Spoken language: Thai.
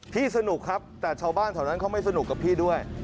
สนุกครับแต่ชาวบ้านแถวนั้นเขาไม่สนุกกับพี่ด้วย